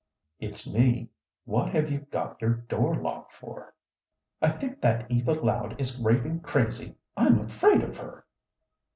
"It's me. What have you got your door locked for?" "I think that Eva Loud is raving crazy. I'm afraid of her."